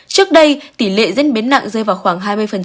trước đây tỷ lệ diễn biến nặng rơi vào khoảng hai mươi